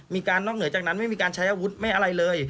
มองหน้าทำไม